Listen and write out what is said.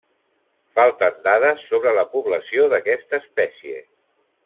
Falten dades sobre la població d'aquesta espècie.